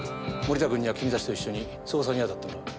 森田君には君たちと一緒に捜査に当たってもらう。